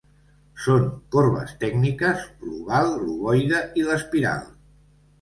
Són corbes tècniques l'oval, l'ovoide i l'espiral.